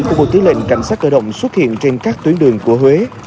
của bộ tư lệnh cảnh sát cơ động xuất hiện trên các tuyến đường của huế